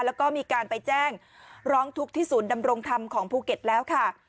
แล้วก็มีการไปแจ้งร้องทุกข์ที่ศูนย์ดำรงธรรมของภูเก็ตแล้วค่ะ